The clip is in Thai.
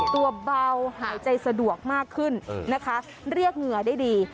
ตัวเบาหายใจสะดวกมากขึ้นนะคะเรียกเหงื่อได้ดี